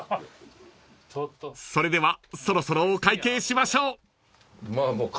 ［それではそろそろお会計しましょう］